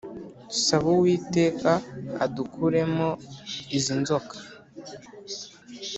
Saba Uwiteka adukuremo izi nzoka